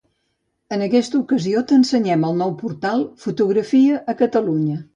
En aquesta ocasió t'ensenyem el nou portal Fotografia a Catalunya.